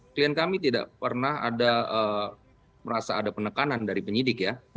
klien kami tidak pernah ada merasa ada penekanan dari penyidik ya